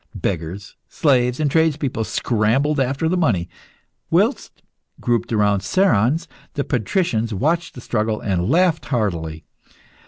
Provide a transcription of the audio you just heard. Beggars, slaves, and tradespeople scrambled after the money, whilst, grouped round Cerons, the patricians watched the struggle and laughed heartily.